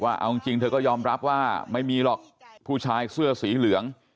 เอาจริงเธอก็ยอมรับว่าไม่มีหรอกผู้ชายเสื้อสีเหลือง